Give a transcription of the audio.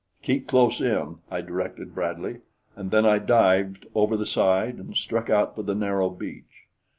"Keep close in," I directed Bradley, and then I dived over the side and struck out for the narrow beach.